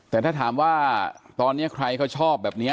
แต่ถ้าถามว่าตอนนี้ใครเขาชอบแบบนี้